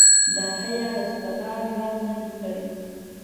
د حی علی الصلواه غږ نه دی کړی.